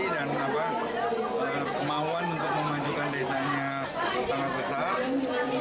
dan kemauan untuk memajukan desanya sangat besar